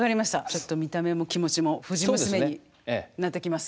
ちょっと見た目も気持ちも藤娘になってきます。